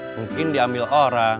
mungkin diambil orang